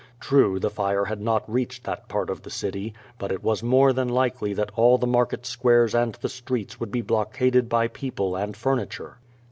True, the firo had not reached that part of the city, but it was more than likely that all the market squares and the streets would be blockaded by people and furniture.